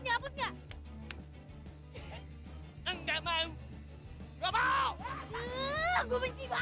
hapusnya hapusnya hapusnya hapusnya